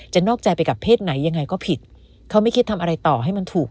นอกใจไปกับเพศไหนยังไงก็ผิดเขาไม่คิดทำอะไรต่อให้มันถูก